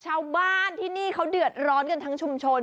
ชาวบ้านที่นี่เขาเดือดร้อนกันทั้งชุมชน